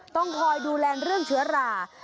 ต้องคอยดูแลเรื่องเชื้อรา